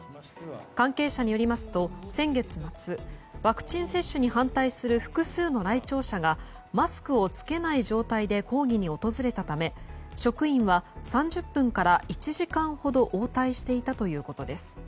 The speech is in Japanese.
関係者によりますと先月末、ワクチン接種に反対する複数の来庁者がマスクを着けない状態で抗議に訪れたため職員は３０分から１時間ほど応対していたということです。